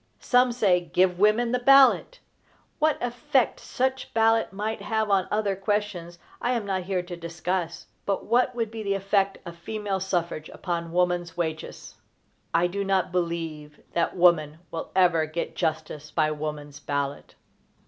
Some say: "Give women the ballot." What effect such ballot might have on other questions I am not here to discuss; but what would be the effect of female suffrage upon woman's wages? I do not believe that woman will ever get justice by woman's ballot.